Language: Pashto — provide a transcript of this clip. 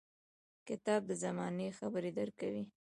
• کتاب د زمانې خبرې درکوي.